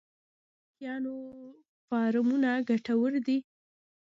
آیا د ماهیانو فارمونه ګټور دي؟